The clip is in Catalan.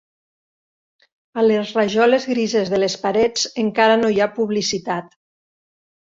A les rajoles grises de les parets encara no hi ha publicitat.